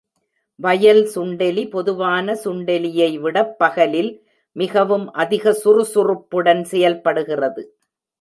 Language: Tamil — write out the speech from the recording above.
வயல் சுண்டெலி பொதுவான சுண்டெலியை விடப் பகலில் மிகவும் அதிக சுறுசுறுப்புடன் செயல்படுகிறது.